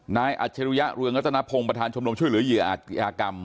นายอัชริยะเรืองรัฐนาโพงประธานชมรมช่วยหรือเหยื่ออากรรม